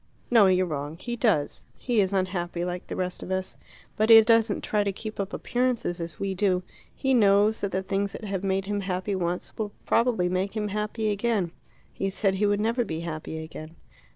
"No; you're wrong. He does. He is unhappy, like the rest of us. But he doesn't try to keep up appearances as we do. He knows that the things that have made him happy once will probably make him happy again " "He said he would never be happy again."